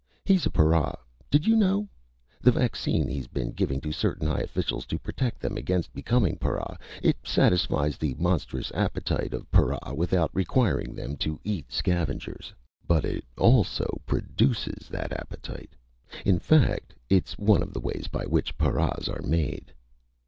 "He's a para. Did you know? The vaccine he's been giving to certain high officials to protect them against becoming para it satisfies the monstrous appetite of para without requiring them to eat scavengers. But it also produces that appetite. In fact, it's one of the ways by which paras are made."